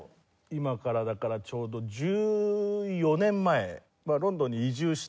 今からだからちょうど１４年前ロンドンに移住してですね